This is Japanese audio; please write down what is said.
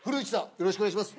よろしくお願いします。